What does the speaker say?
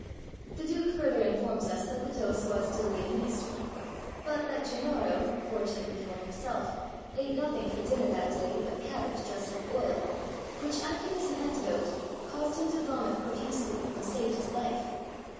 '" The duke further informs us that the dose was duly administered; but that Gennaro, fortunately for himself, ate nothing for dinner that day but cabbage dressed with oil, which acting as an antidote, caused him to vomit profusely, and saved his life.